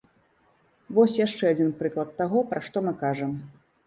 Вось яшчэ адзін прыклад таго, пра што мы кажам.